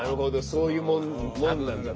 そういうもんなんだと。